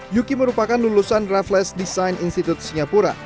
yuki merupakan lulusan raffless design institute singapura